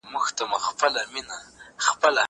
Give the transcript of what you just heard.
زه له سهاره سبزېجات وچوم!!